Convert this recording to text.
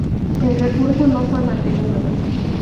El recurso no fue mantenido.